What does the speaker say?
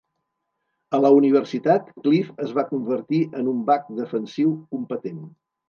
A la universitat, Cliff es va convertir en un back defensiu competent.